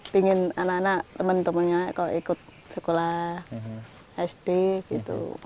pingin anak anak temen temennya kalau ikut sekolah sd gitu